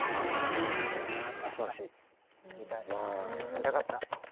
見たかった。